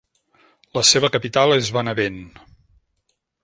La seva capital és Benevent.